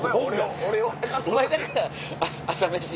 お前だから朝飯